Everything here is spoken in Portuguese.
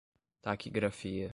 taquigrafia